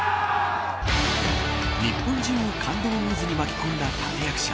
日本中を感動の渦に巻き込んだ立役者